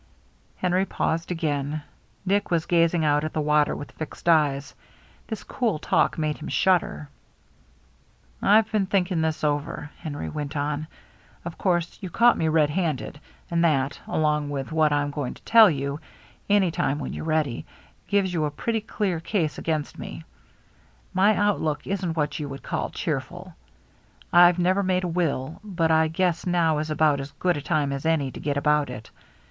Henry paused again. Dick was gazing out at the water with fixed eyes. This cool talk made him shudder. " I've been thinking this over," Henry went on. " Of course, you caught me red handed ; and that, along with what I'm going to tell you, any time when you're ready, gives you a pretty clear case against me. My outlook isn't what you would call cheerful. I've never made a will, but I guess now is about as good a time as any to get about it.